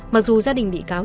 mặc dù gia đình bị cáo